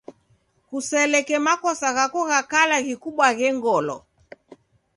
Kuselekerie makosa ghako gha kala ghikubwaghe ngolo.